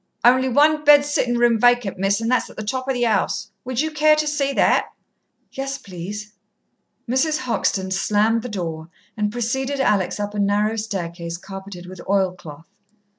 "Only one bed sittin' room vacant, Miss, and that's at the top of the 'ouse. Would you care to see that?" "Yes, please." Mrs. Hoxton slammed the door and preceded Alex up a narrow staircase, carpeted with oil cloth.